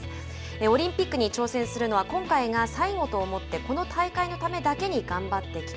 オリンピックに挑戦するのは今回が最後と思ってこの大会のためだけに頑張ってきた。